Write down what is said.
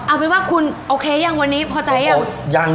เอาเป็นว่าคุณโอเคยังวันนี้พอใจยัง